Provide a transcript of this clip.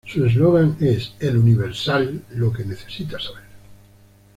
Su eslogan es "El Universal, lo que necesita saber".